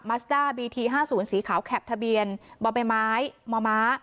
มัสด้าบีทีห้าศูนย์สีขาวแข็บทะเบียนบำไม้ไม้มาม้า